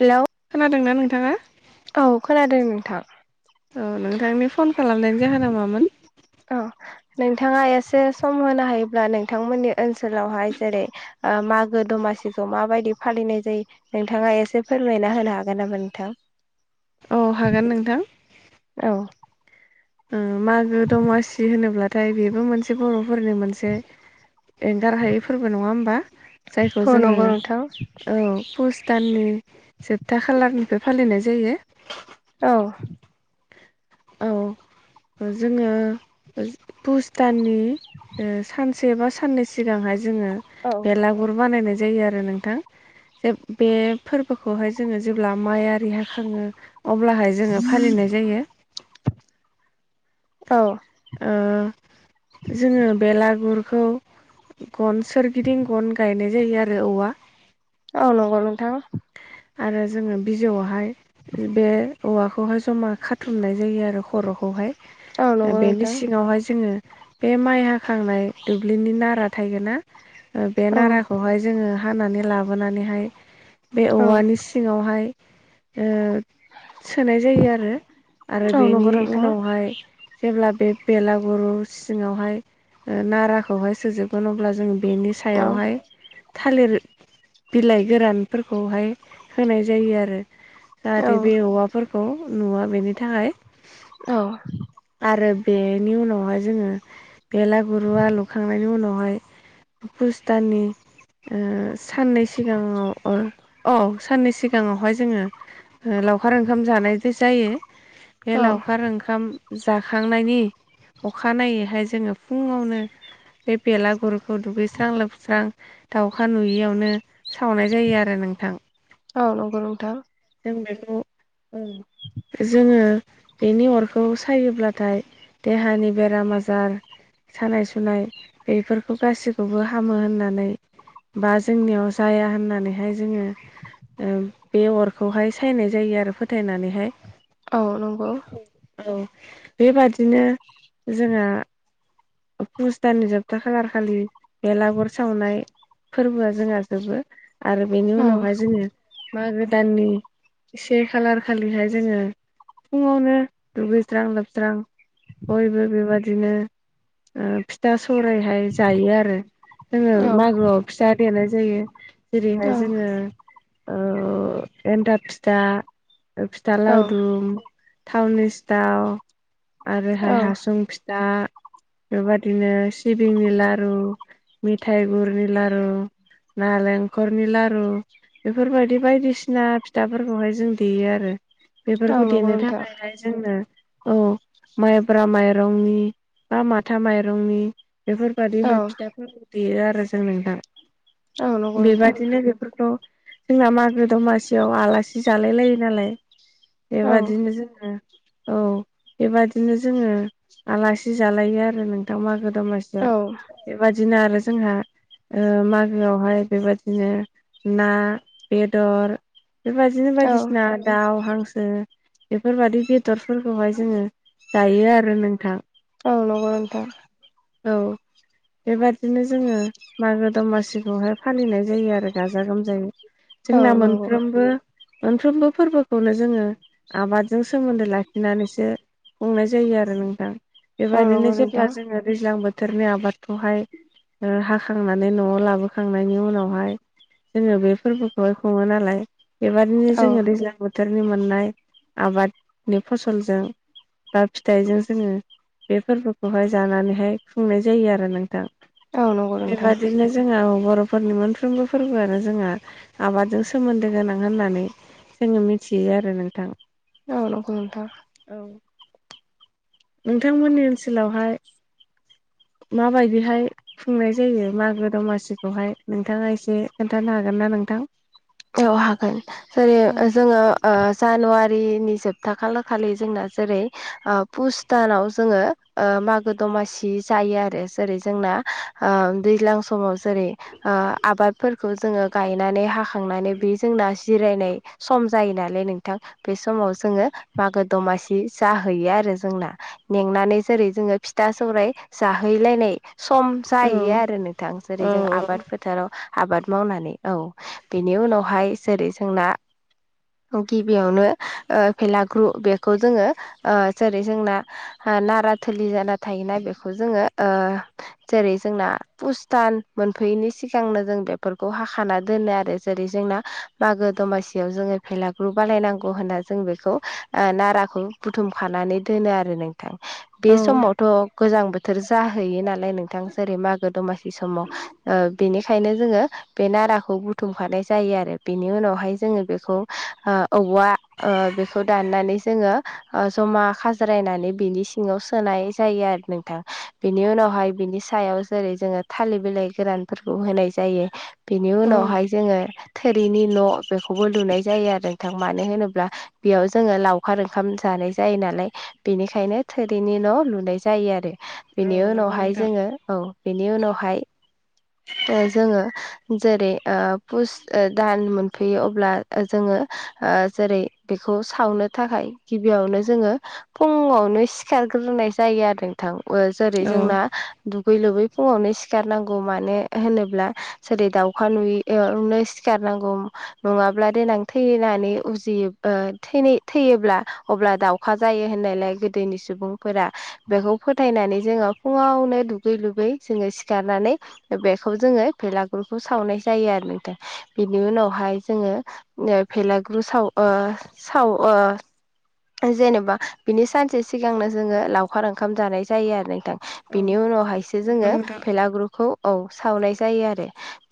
Hello खोनादों ना नोंथाङा? औ खोनादों नोंथां। औ नोंथांनि फन खालामनायनि जाहोना मामोन? औ नोंथाङा एसे सम होनो हायोब्ला नोंथांमोननि ओनसोलावहाय जेरै ओ मागो दमासिखौ माबायदि फालिनाय जायो? नोंथाङा एसे फोरमायना होनो हागोन नामा नोंथां? औ हागोन नोंथां। औ उम मागो दमासि होनोब्लाथाय बेबो मोनसे बर'फोरनि मोनसे एंगार हायै फोरबो नङा होमबा जायखौ औ जोङो नंगौ नोंथां औ पुस दाननि जोबथा खालारनिफ्राय फालिनाय जायो। औ औ जोङो पुस दाननि ओ सान से बा साननै सिगांहाय जोङो औ बेलागुर बानायनाय जायो आरो नोंथां। ज बे फोरबोखौहाय जोङो जेब्ला माइ आरि हाखाङो अब्लाहाय जोङो फालिनाय जायो। औ जोङो बेलागुरखौ गन सोरगिदिं गन गायनाय जायो आरो औवा औ नंगौ नोंथां आरो जोङो बिजौआवहाय बे औवाखौहाय जमा खाथुमनाय जायो आरो खर'खौहाय औ नंगौ बेनि नोंथां सिङावहाय जोङो बे माइ हाखांनाय दुब्लिनि नारा थायो ना बे औ नाराखौहाय जोङो हानानै लाबोनानैहाय बे औ औवानि सिङावहाय सोनाय जायो आरो आरो औ बेनि नंगौ नोंथां औ उनावहाय जेब्ला बे बेलागुरु सिङावहाय नाराखौहाय सोजोबगोन अब्ला जोङो बेनि औ औ सायावहाय थालेर बिलाइ गोरान फोरखौहाय होनाय जायो आरो जाहाथे बे औवा फोरखौ नुवा बेनि थाखाय औ आरो बेनि उनावहाय जोङो बेलागुरुआ लुखांनायनि उनावहाय पुस दाननि ओ साननै सिगाङाव अ औ साननै सिगाङावहाय जोङो ओ लावखार ओंखाम जानाय जे जायो बे लावखार ओंखाम जाखांनायनि अखानायैहाय जोङो फुङावनो बे बेलागुरुखौ दुगैस्रां लोबस्रां दाउखा नुयियावनो सावनाय जायो आरो नोंथां औ नंगौ नोंथां जों बेखौ उम जोङो बेनि अरखौ सायोब्लाथाय देहानि बेराम आजार सानाय सुनाय बेफोरखौ गासिखौबो हामो होननानै बा जोंनियाव जाया होननानै हाय जोङो ओ बे अरखौहाय सायनाय जायो आरो फोथायनानैहाय औ नंगौ औ बेबादिनो जोङा फुस दाननि जोबथाखागार खालि बेलागुर सावनाय फोरबोआ जोंहा जोबो आरो बेनि औ उनावहाय जोङो मागो दाननि से खालार खालिहाय जोङो फुङावनो दुगैस्रां लोबस्रां बयबो बेबादिनो ओ फिथा सौरायहाय जायो आरो जोङो औ मागोआव फिथा देनाय जायो औ जेरैहाय जोङो ओ एन्थाब फिथा फिथा औ लावदुम थावनि सिथाव औ आरोहाय हासुं फिथा बेबादिनो सिबिंनि लारु मिथाइ गुरनि लारु नालेंखरनि लारु बेफोरबायदि बायदिसिना फिथाफोरखौहाय जों देयो आरो औ बेफोरखौ नंगौ देनो नोंथां थाखायहाय जोंनो औ माइब्रा माइरंनि बा माथा माइरंनि बेफोर औ बादिहाय फिथाइफोरखौ देयो आरो जों नोंथां औ नंगौ नोंथां बेबादिनो बेफोरखौ जोंना मागो दमासियाव आलासि जालाय लायो नालाय औ बेबादिनो जोङो औ बेबादिनो जोङो आलासि जालायो आरो नोंथां मागो औ दमासियाव बेबादिनो आरो जोंहा ओ मागोआवहाय बेबादिनो ना बेदर बेबादिनो औ बायदिसिना दाउ हांसो बेफोरबायदि बेदरफोरखौहाय जोङो जायो आरो नोंथां औ नंगौ नोंथां औ बेबादिनो जोङो मागो दमासिखौहाय फालिनाय जायो आरो गाजा गोमजायै औ जोंना नंगौ मोनफ्रोमबो मोनफ्रोमबो फोरबोखौनो जोङो आबादजों सोमोन्दो लाखिनानैसो खुंनाय जायो आरो नोंथां औ नंगौ नोंथा ओ दैज्लां बोथोरनि आबादखौहाय ओ हाखांनानै न'आव लाबोखांनायनि उनावहाय जोङो बे फोरबोखौहाय खुङो नालाय बेबायदिनो औ जोङो दैज्लां बोथोर बोथोरनि मोननाय आबादनि फसलजों बा फिथाइजों जोङो बे फोरबोखौहाय जानानैहाय खुंनाय जायो आरो नोंथां औ नंगौ नोंथां बेबादिनो जोंनाव बर'फोरनि मोनफ्रोमबो फोरबोआनो जोंहा आबादजों सोमोन्दो गोनां होननानै जोङो मिथियो आरो नोंथां औ नंगौ नोंथा औ नोंथांमोननि ओनसोलावहाय माबायदिहाय खुंनाय जायो मागो दमासिखौहाय नोंथाङा एसे खोन्थानो हागोन ना नोंथां औ हागोन जेरै जोङो ओ जानुवारिनि जोबथा खालार खालि जोंना जेरै ओ पुसदानाव जोङो ओ मागो दमासि जायो आरो जेरै जोंना ओ दैज्लां समाव जेरै ओ आबादफोरखौ जोङो गायनानै हाखांनानै बे जोंना जिरायनाय सम जायो नालाय नोंथां बे समाव जोङो मागो दमासि जाहैयो आरो जोंना मेंनानै जेरै जोङो फिथा सौराइ जाहैलायनाय सम जाहैयो औ आरो नोंथां औ जेरै जों आबाद फोथाराव आबाद मावनानै औ बेनि उनावहाय जेरै जोंना औ गिबियावनो ओ भेलाग्रु बेखौ जोङो ओ जेरै जोंना ओ नारा थोलि जाना थायोना बेखौ जोङो ओ जेरै जोंना पुस दान मोनफैयैनि सिगांनो जों बेफोरखौ हाखाना दोनो आरो जेरै जोंना मागो दमासियाव जोङो भेलाग्रु बानायनांगौ होनना जों बेखौ ओ नाराखौ बुथुमखानानै दोनो आरो नों थां बे औ समावथ' गोजां बोथोर जाहैयो नालाय नोंथां जेरै मागो दमासि समाव ओ बेनिखायनो जोङो बे नाराखौ बुथ बुथुमखानाय जायो आरो बेनि उनावहाय जोङो बेखौ ओ औवा ओ बेखौ दाननानै जोङो ओ जमा खाज्रायनानै बिनि सिङाव सोनाय जायो आरो नोंथां बेनि उनावहाय बिनि सायाव जेरै जोङो थालिर बिलाइ गोरानफोरखौ होनाय जायो बेनि औ उनावहाय जोङो थोरिनि न' बेखौबो लुनाय जायो आरो नोंथां मानो होनोब्ला बेयाव जोङो लावखार ओंखाम जानाय जायो नालाय बेनिखायनो थोरिनि न' लुनाय जायो आरो औ बेनि नंगौ उनावहाय नोंथां जोङो औ बेनि उनावहाय जोङो जेरै ओ पुस ओ दान मोनफैयो अब्ला जोङो ओ जेरै बेखौ सावनो थाखाय गिबियावनो जोङो फुङावनो सिखारग्रोनाय जायो आरो नोंथां ओ जेरै औ जोंना दुगै लोबै फुङावनो सिखारनांगौ मानो होनोब्ला जेरै दाउखा नुयै यावनो सिखारनांगौ नङाब्ला देनां थैनानै उजियो ओ थैनाय थैयोब्ला अब्ला दावखा जायो होननायलाय गोदोनि सुबुंफोरा बेखौ फोथायनानै जोङो फुङावनो दुगै लुगै जोङो सिखारनानै बेखौ जोङो भेलागुरखौ सावनाय जायो आरो नोंथां बेनि उनावहाय जोङो ओ भेलाग्रु साव ओ साव अ जेनेबा बिनि सानसे सिगांनो जोङो लावखार ओंखाम जानाय जायो आरो नोंथां औ बेनि उनावहायसो नंगौ जोङो नोंथां भेलागुरखौ औ सावनाय जायो आरो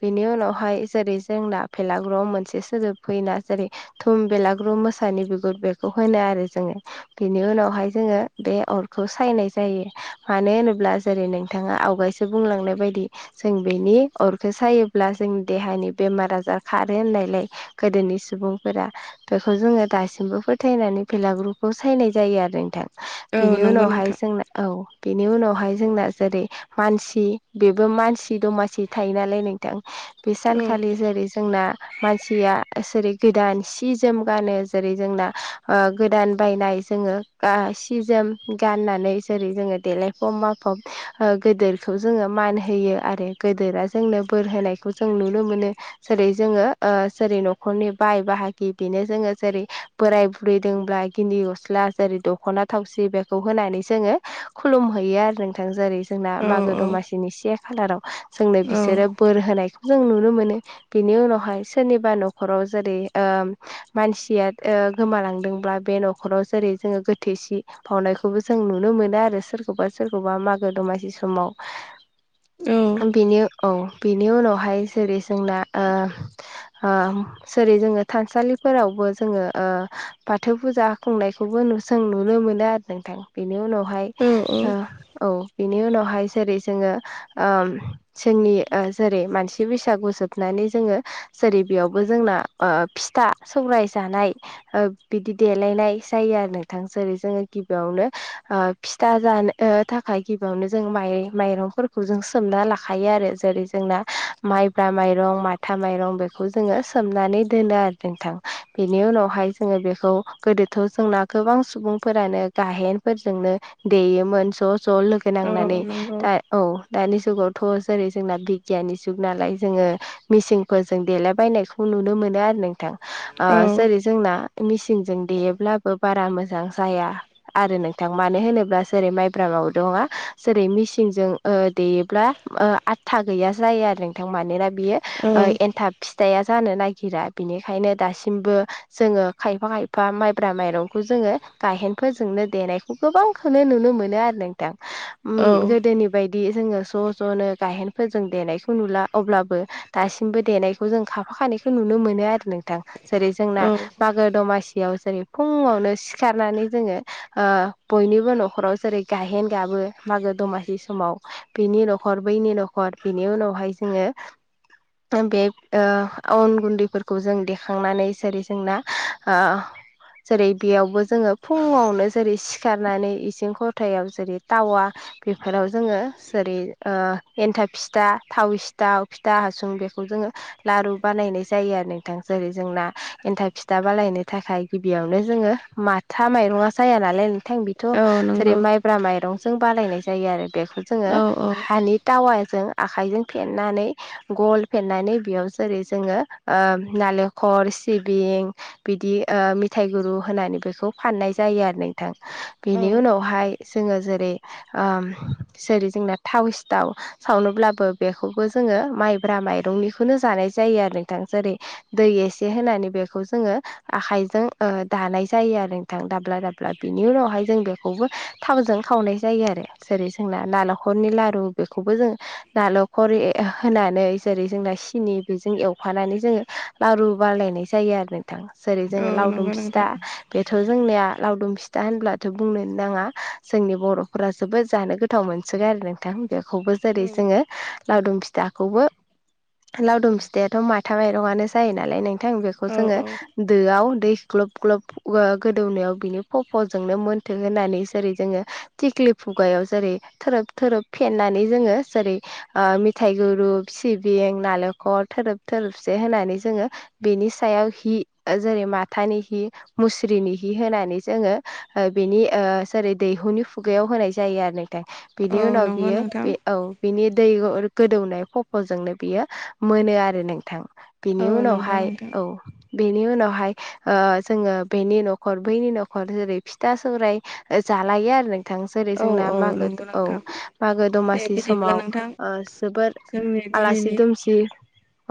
बेनि उन उनावहाय जेरै जोंना फेलागुराव मोनसे सोदोब फैयोना जेरै थुम बेलाग्रुम मोसानि बिगुर बेखौ होनो आरो जोङो बेनि उनावहाय जोङो बे अरखौ सायनाय जायो मानो होनोब्ला जेरै नोंथाङा आवगायसो बुंलांनाय बायदि जों बेनि अरखौ सायो ब्ला जोंनि देहानि बेमार आजार खारो होननायलाय गोदोनि सुबुंफोरा बेखौ जोङो दासिमबो फोथायनानै भेलागुरखौ सायनाय जायो आरो नोंथां औ बेनि नंगौ उनावहाय नोंथां जोंना औ बेनि उनावहाय जोंना जेरै मानसि बेबो मानसि दमासि थायो नालाय बे औ सानखालि जेरै जोंना मानसिया जेरै गोदान सि जोम गानो जेरै जोंना गोदान बायनाय जोङो सि जोम गाननानै जेरै जोङो देलायफब माफब गोदोर बेखौ जोङो मान होयो आरो गोदोरा जोंनो बोर होनायखौ जों नुनो मोनो जेरै जोङो जेरै न'खरनि बाय बाहागि बेनो जोङो जेरै बोराय बुरै दब्ला गिनदि गस्ला जेरै दख'ना थावसि बेखौ होनानै जोङो खुलुम हैैयो आरो नोंथां जेरै जोंना औ मागो औ दमासिनि से खालाराव जोंनो औ बिसोरो बोर होनायखौ जों नुनो मोनो बेनि उनावहाय सोरनिबा न'खराव जेरै मानसिया गोमालांदोंब्ला बे न'खराव जेरै जोङो गोथै सि बाउनायखौबो जों नुनो मोनो आरो सोरखौबा सोरखौबा मागो दमासि जि समाव बेनो औ बेनि उनावहाय जेरै जोंना ओ-ओ जेरै जोङो थानसालिफोरावबो जोङो ओ बाथौ फुजा खुंनायखौबो जों नुनो मोनो आरो नोंथां बेनि उनावहाय औ ओ औ बिनि उनावहाय जेरै जोङो जोंनि ओ जेरै मानसि बैसागु जोबनानै जोङो जेरै बेयावबो जोंना ओ फिथा सौराय जानाय बिदि देलायनाय जायो आरो नोंथां जेरै जोङो गिबियावनो फिथा जानो थाखाय गिबियावनो जों माइ माइरंफोरखौ जों सोमना लाखायो आरो जेरै जोंना माइब्रा माइरं माथा माइरं बेखौ जोङो सोमनानै दोनो आरो नोंथां बेनि उनावहाय जोङो बेखौ गोदोथ' जोंना गोबां सुबुंफोरानो गाहेनफोरजोंनो देयोमोन ज' ज' लोगो नांनानै औ नंगौ दा औ दानि जुगावथ' जेरै जोंना दुखियानि जुग नालाय जोङो मेसिनफोरजों देलायबायनायखौ नुनो मोनो आरो नोंथां औ जेरै जोंना मेसिनजों देयोब्लाबो बारा मोजां जाया आरो नोंथां मानो होनोब्ला जेरै माइब्रा माबो दङ जेरै मेसिनजों ओ देयोब्ला आथा गैया जायो आरो नोंथां मानोना बेयो औ एनथाब फिथाया जानो नागिरा बिनिखायनो दासिमबो जोङो खायफा खायफा माइब्रा माइरंखौ जोङो गायहेनफोरजोंनो देनायखौ गोबांखौनो नुनो मोनो आरो नोंथां औ गोदोनि बायदि जोङो ज' ज'नो गायहेन फोर जों देनायखौ नुला अब्लाबो दासिमबो देनायखौ जों खाफाखानायखौ नुनो मोनो आरो नों थां जेरै जोंना औ नंगौ औ मागो दमासियाव जेरै फुङावनो सिखारनानै जोङो ओ बयनिबो न'खराव जेरै गायहेन गाबो मागो दमासि समाव बिनि न'खर बैनि न'खर बिनि उनावहाय जोङो बे अन गुन्दैफोरखौ जों देखांनानै जेरै जोंना जेरै बेयावबो जोङो फुङावनो जेरै सिखारनानै इसिं खथायाव जेरै टावा बेफोराव जोङो जेरै ओ एन्थाब फिथा थाव सिथाव फिथा हासुं बेखौ जोङो लारु बानायनाय जायो आरो नोंथां जेरै जोंना एन्थाब फिथा बानायनो थाखाय गिबियावनो जोङो माथा माइरङा जाया नालाय नों थां बेथ' औ नंगौ जेरै नोंथां माइब्रा माइरंजों बानायनाय जायो आरो बेखौ जोङो औ हानि टावाजों आखाइजों फेेननानै गल फेननानै बेयाव जेरै जोङो ओ नालेंखर, सिबिं बिदि ओ मिथाइ गुरु होनानै बेखौ फाननाय जायो आरो नों थां बेनि उनावहाय जोङो जेरै ओम जेरै जोंना थावसि थाव सावनोब्लाबो बेखौबो जोङो माइब्रा माइरंनिखौनो जानाय जायो आरो नोंथां जेरै दै एसे होनानै बेखौ जोङो आखाइजों दानाय जायो आरो नोंथां दाब्ला दाब्ला बिनि उनावहाय जों बे खौबो थावजों खावनाय जायो आरो जेरै जोंना नारेंखरनि लारु बेखौबो जों नालखर होनानै जेरै जोंना सिनि बेजों एवफानानै जोङो लारु बालायनाय जायो आरो नोंथां जेरै जोङो लावदुम फिथा बेथ' जोंनिया लावदुम फिथा होनब्लाथ' बुंनोनो नाङा जोंनि बर'फोरा जोबोद जानो गो थाव मोनसोगारो नोंथां बेखौबो जेरै जोङो लावदुम फिथाखौबो लावदुम फिथायाथ' माथा माइरङानो जायो नालाय नों थां बेखौ औ जोङो औ दोआव दै ग्लब ग्लब ओ गोदौनायाव बिनि खफ'जोंनो मोनथों होननानै जेरै जोङो थिख्लि खुगायाव जेरै थोरोब थोरोब फेननानै जोङो जेरै ओ मिथाय गुरु सिबिं नालेखर थोरोब थोरोबसे होनानै जोङो बेनि सायाव हि जेरै माथानि हि मुस्रिनि हि होनानै जोङो ओ बेनि ओ जेरै दैहुनि खुगायाव होनाय जायो आरो नोंथां औ बिनि उनाव नंगौ बियो नोंथां बे औ बिनि दै गोदौनाय खफ'जोंनो बियो मोनो आरो नोंथां। बिनि औ नंगौ उनावहाय नोंथां औ बेनि उनावहाय ओ जोङो बेनि नखर बैनि नखर जेरै फिथा सौराइ जालायो आरो नों नोंथां जेरै औ जोंना औ मागो नंगौ औ नोंथां मागो दे दमासि बिदिब्ला समाव नोंथां ओ जोबोर जोंनि आलासि दिनैनि दुमसि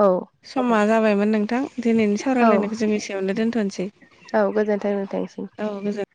औ समा जाबायमोन नोंथां दिनैनि औ सावरायलायनायखौ जों एसेयावनो दोनथ'सै। औ गोजोन्थों नोंथांनिसिम औ गोजो